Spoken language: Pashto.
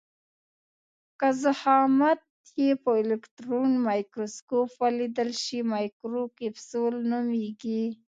که ضخامت یې په الکټرون مایکروسکوپ ولیدل شي مایکروکپسول نومیږي.